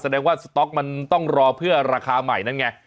แสดงว่าสต๊อกมันต้องรอเพื่อราคาใหม่นั่นไง